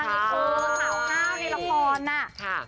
คือหลังข้าวในละครน่ะ